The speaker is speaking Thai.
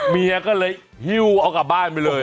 เมียก็เลยหิ้วเอากลับบ้านไปเลย